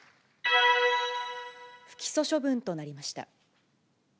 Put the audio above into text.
不起訴処分となりました。